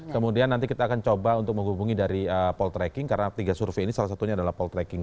kemudian nanti kita akan coba untuk menghubungi dari poltreking karena tiga survei ini salah satunya adalah poltreking